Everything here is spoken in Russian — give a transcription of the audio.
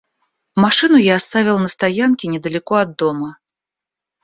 Машину я оставил на стоянке недалеко от дома.